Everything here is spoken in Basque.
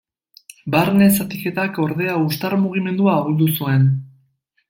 Barne zatiketak, ordea, hustar mugimendua ahuldu zuen.